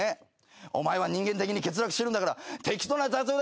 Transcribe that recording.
「お前は人間的に欠落してるんだから適当な雑用だけやっとけよ」